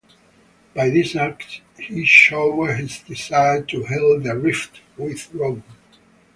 By these acts, he showed his desire to heal the rift with Rome.